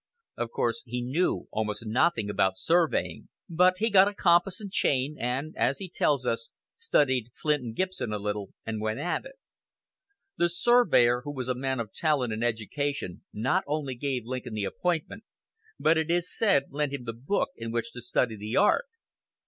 Of course he knew almost nothing about surveying, but he got a compass and chain, and, as he tells us, "studied Flint and Gibson a little, and went at it." The surveyor, who was a man of talent and education, not only gave Lincoln the appointment, but, it is said, lent him the book in which to study the art.